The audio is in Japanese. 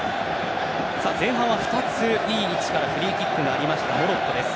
前半は２つ、いい位置からフリーキックがありましたモロッコです。